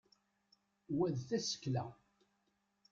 wa d tasekla